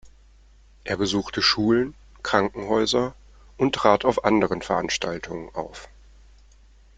Er besuchte Schulen, Krankenhäuser und trat auf anderen Veranstaltungen auf.